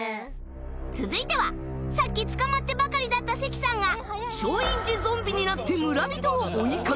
続いてはさっき捕まってばかりだった関さんが松陰寺ゾンビになって村人を追いかけます